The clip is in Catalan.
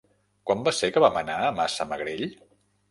Quan va ser que vam anar a Massamagrell?